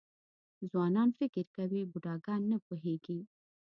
ځوانان فکر کوي بوډاګان نه پوهېږي .